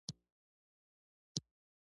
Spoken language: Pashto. سپهسالار ټينګار وکړ، وزير اعظم کېناست.